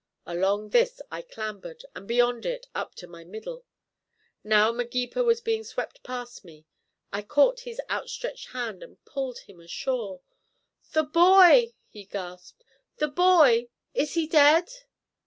Along this I clambered, and beyond it up to my middle. Now Magepa was being swept past me. I caught his outstretched hand and pulled him ashore. "The boy!" he gasped; "the boy! Is he dead?"